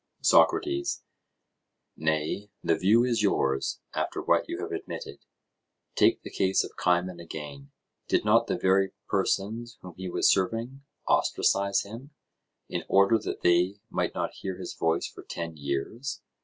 SOCRATES: Nay, the view is yours, after what you have admitted. Take the case of Cimon again. Did not the very persons whom he was serving ostracize him, in order that they might not hear his voice for ten years?